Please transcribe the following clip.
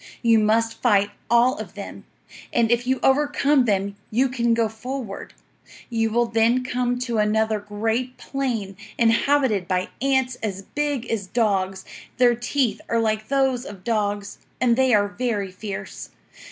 You must fight all of them; and if you overcome them you can go forward. You will then come to another great plain, inhabited by ants as big as dogs; their teeth are like those of dogs, and they are very fierce.